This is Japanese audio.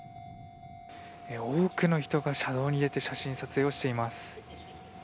多くの人が車道に出て写真撮影をしています。